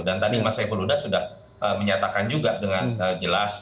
dan tadi mas evo luda sudah menyatakan juga dengan jelas